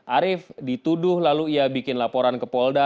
arief dituduh lalu ia bikin laporan ke polda